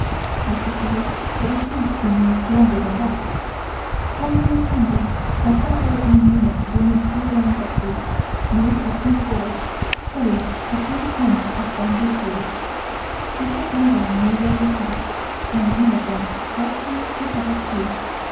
I said to her that it seemed to me longer than that. While we were talking I saw our own eunuchs bringing four round boxes, made of thin board, carried at each end of bamboo poles. They put them down near where we sat, and one of them brought me a cup of tea.